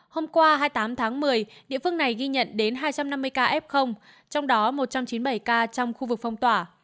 hôm qua hai mươi tám tháng một mươi địa phương này ghi nhận đến hai trăm năm mươi ca f trong đó một trăm chín mươi bảy ca trong khu vực phong tỏa